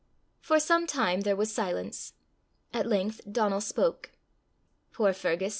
For some time there was silence. At length Donal spoke. "Poor Fergus!"